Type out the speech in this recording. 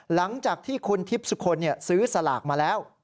หลังจากที่คุณทิพย์สุคลซื้อสลากมาแล้ว